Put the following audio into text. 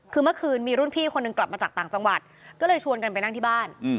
คือเมื่อคืนมีรุ่นพี่คนหนึ่งกลับมาจากต่างจังหวัดก็เลยชวนกันไปนั่งที่บ้าน